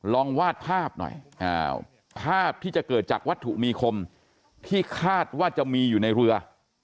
ลองวาดภาพหน่อยภาพที่จะเกิดจากวัตถุมีคมที่คาดว่าจะมีอยู่ในเรือ